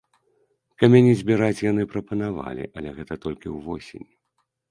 Камяні збіраць яны прапанавалі, але гэта толькі ўвосень.